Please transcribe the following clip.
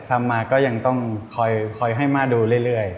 ทำมาก็ยังต้องคอยให้มาดูเรื่อย